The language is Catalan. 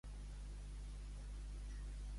Pobresa no és deshonra.